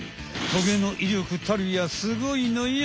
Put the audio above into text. トゲの威力たるやすごいのよ。